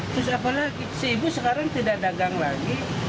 terus apalagi si ibu sekarang tidak dagang lagi